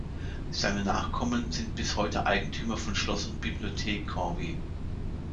Seine Nachkommen sind bis heute Eigentümer von Schloss und Bibliothek Corvey.